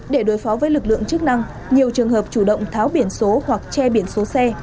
để đối phó với lực lượng chức năng nhiều trường hợp chủ động tháo biển số hoặc che biển số xe